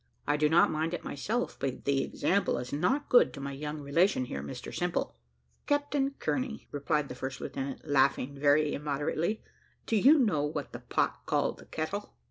I do not mind it myself, but the example is not good to my young relation here, Mr Simple." "Captain Kearney," replied the first lieutenant, laughing very immoderately, "do you know what the pot called the kettle?"